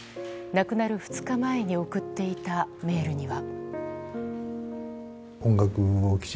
亡くなる２日前に送っていたメールには。